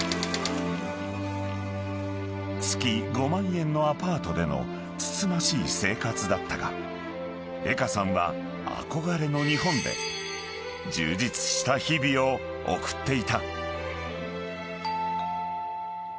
［月５万円のアパートでのつつましい生活だったが江歌さんは憧れの日本で充実した日々を送っていた］